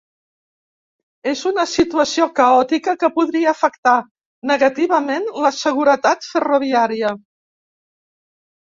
És una situació caòtica que podria afectar negativament la seguretat ferroviària.